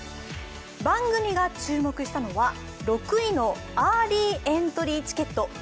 番組が注目したのは６位のアーリーエントリーチケット。